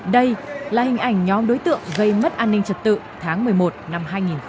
đây là hình ảnh nhóm đối tượng gây mất an ninh trật tự tháng một mươi một năm hai nghìn hai mươi ba